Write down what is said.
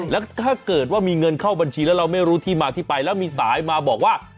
แล้วถ้าเกิดว่ามีเงินเข้าบัญชีแล้วเราไม่รู้ที่มาที่ไปแล้วมีสายมาบอกว่า